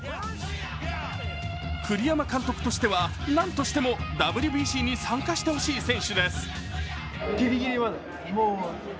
栗山監督としてはなんとしてもＷＢＣに参加してほしい選手です。